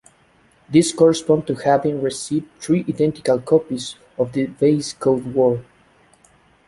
This corresponds to having received three identical copies of the base code word.